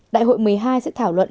đại hội một mươi hai sẽ thảo luận